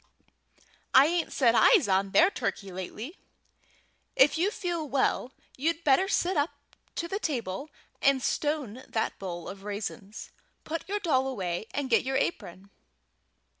I ain't set eyes on their turkey lately. If you feel well, you'd better sit up to the table and stone that bowl of raisins. Put your dolly away, and get your apron."